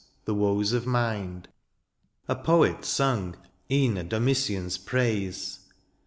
The woes of mind. A poet sung E'en a Domitian's praise